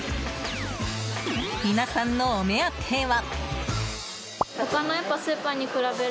皆さんのお目当ては。